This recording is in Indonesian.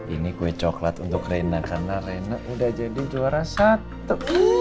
ini kue coklat untuk reina karena rena udah jadi juara satu